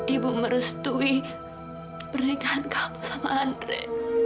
ibu merestui berikan kamu sama andre